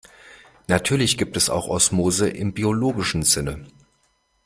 Natürlich gibt es auch Osmose im biologischen Sinne.